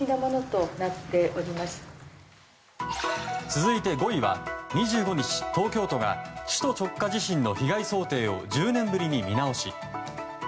続いて５位は２５日、東京都が首都直下地震の被害想定を１０年ぶりに見直し。